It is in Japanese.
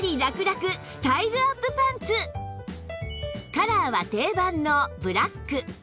カラーは定番のブラック